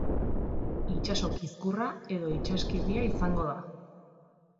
Itsaso kizkurra edo itsaskirria izango da.